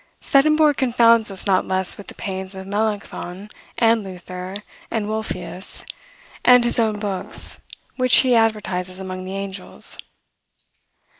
Swedenborg confounds us not less with the pains of Melancthon, and Luther, and Wolfius, and his own books, which he advertises among the angels.